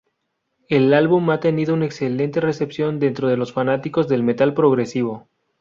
El álbum ha tenido una excelente recepción dentro de los fanáticos del metal progresivo.